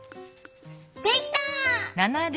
できた！